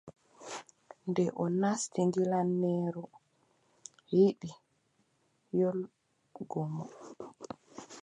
Nde o maati gilaŋeeru yiɗi yoolgomo,